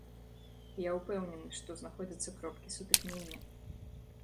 І я ўпэўнены, што знаходзяцца кропкі сутыкнення.